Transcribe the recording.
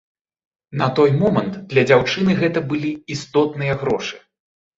На той момант для дзяўчыны гэта былі істотныя грошы.